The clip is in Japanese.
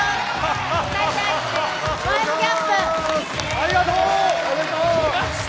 ありがとう。